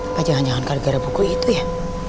wah jangan jangan gara gara buku itu ya